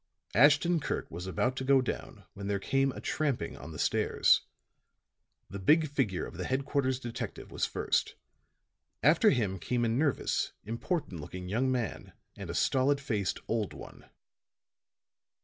Ashton Kirk was about to go down when there came a tramping on the stairs. The big figure of the headquarters detective was first; after him came a nervous, important looking young man and a stolid faced old one.